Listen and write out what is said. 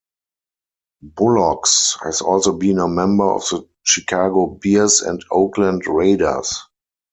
Bullocks has also been a member of the Chicago Bears and Oakland Raiders.